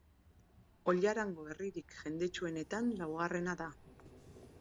Ollarango herririk jendetsuenetan laugarrena da.